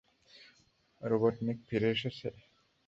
Robotnik ফিরে এসেছে?